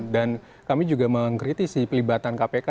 dan kami juga mengkritisi pelibatan kpk